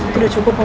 sudah cukup pak